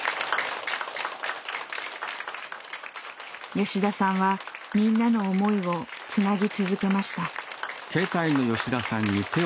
吉田さんはみんなの思いをつなぎ続けました。